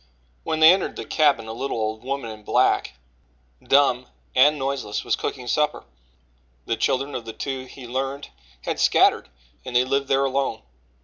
When they entered the cabin, a little old woman in black, dumb and noiseless, was cooking supper. The children of the two, he learned, had scattered, and they lived there alone.